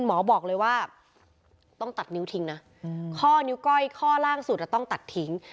หมอบอกเลยว่าต้องตัดนิ้วทิ้งนะข้อนิ้วก้อยข้อล่างสุดต้องตัดทิ้ง